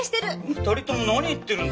２人とも何言ってるんですか？